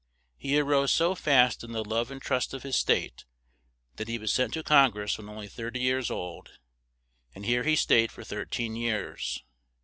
He a rose so fast in the love and trust of his state that he was sent to Con gress when on ly thir ty years old; and here he stayed for thir teen years.